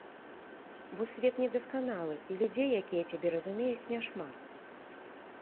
Бо свет недасканалы, і людзей, якія цябе разумеюць, няшмат.